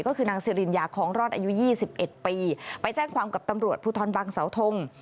ก็คือนางสิริญญาคล้องรอดอายุ๒๑ปีไปแจ้งความกับตำรวจภูทรบังเสาทง